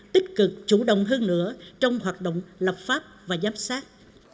tích cực chủ động hơn nữa trong hoạt động lập pháp và giám sát